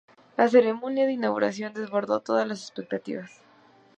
La ceremonia de inauguración desbordó todas las expectativas.